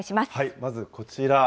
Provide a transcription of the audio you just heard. まずこちら。